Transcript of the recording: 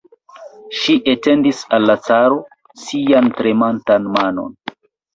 Ŝi etendis al la caro sian tremantan manon.